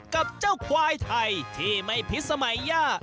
กับเจ้าควายไทยที่ไม่พิษสมัยย่า